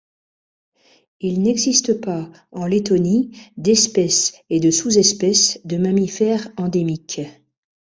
Il n'existe pas en Lettonie d'espèces et de sous-espèces de mammifères endémiques.